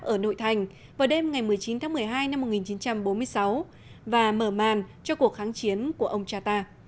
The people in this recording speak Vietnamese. ở nội thành vào đêm ngày một mươi chín tháng một mươi hai năm một nghìn chín trăm bốn mươi sáu và mở màn cho cuộc kháng chiến của ông cha ta